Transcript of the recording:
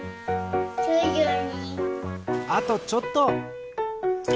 あとちょっと。